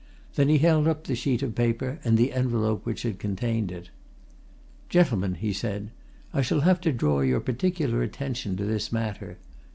Then, he held up the sheet of paper and the envelope which had contained it. "Gentlemen!" he said. "I shall have to draw your particular attention to this matter.